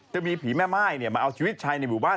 จะมีผีแม่ม่ายมาเอาชีวิตชายในหมู่บ้าน